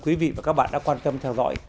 quý vị và các bạn đã quan tâm theo dõi